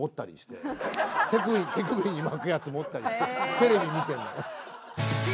手首に巻くやつ持ったりしてテレビ見て。